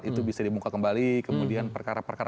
itu bisa dibuka kembali kemudian perkara perkara